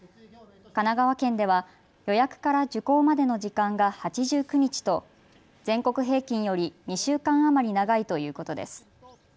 神奈川県では予約から受講までの時間が８９日と全国平均より２週間余り長いということです。